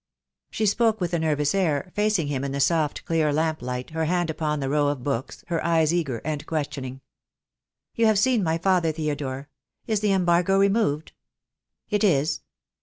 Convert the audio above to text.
She spoke with a nervous air, facing him in the soft clear lamp light, her hand upon the row of books, her eyes eager and questioning. "You have seen my father, Theodore. Is the em bargo removed?" "It is."